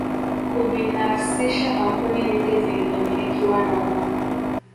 Kubinafsisha kampuni nyingi zilizomilikiwa na umma